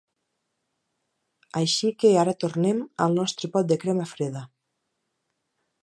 Així que ara tornem al nostre pot de crema freda.